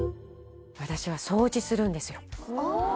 私は掃除するんですよあ！